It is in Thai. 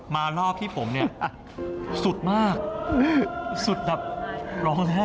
มารอบที่ผมสุดมากสุดแบบร้องแท้